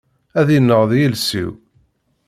Ad yenneḍ yiles-iw.